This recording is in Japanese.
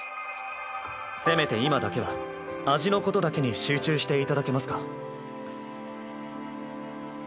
せめて今だけは味のことだけに集中していただけますか。